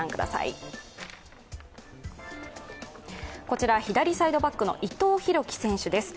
こちら左サイドバックの伊藤洋輝選手です。